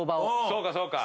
そうかそうか。